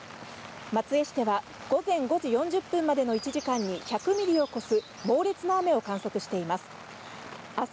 松江市では午前５時４０分までの１時間に１００ミリを超す猛烈な雨を観測しています。